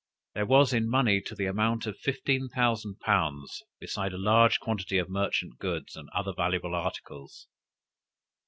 There was in money to the amount of fifteen thousand pounds, besides a large quantity of merchant goods, and other valuable articles.